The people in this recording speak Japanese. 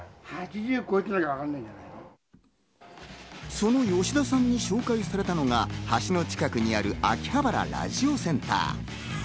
その吉田さんに紹介されたのが橋の近くにある秋葉原ラジオセンター。